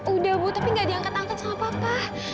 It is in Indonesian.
udah bu tapi gak diangkat angkat sama papa